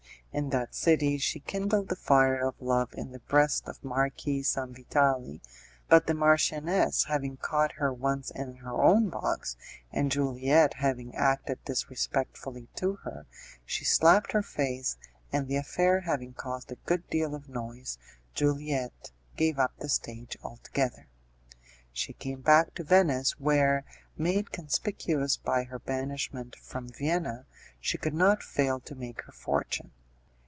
In that city she kindled the fire of love in the breast of Marquis Sanvitali, but the marchioness having caught her once in her own box, and Juliette having acted disrespectfully to her, she slapped her face, and the affair having caused a good deal of noise, Juliette gave up the stage altogether. She came back to Venice, where, made conspicuous by her banishment from Vienna, she could not fail to make her fortune.